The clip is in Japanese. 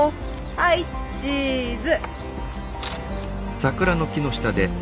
はいチーズ！